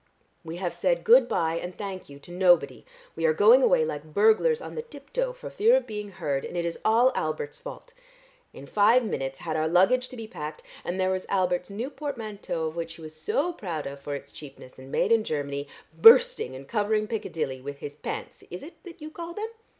We have said good bye and thank you to nobody, we are going away like burglars on the tiptoe for fear of being heard, and it is all Albert's fault. In five minutes had our luggage to be packed, and there was Albert's new portmanteau which he was so proud of for its cheapness and made in Germany, bursting and covering Piccadilly with his pants, is it, that you call them?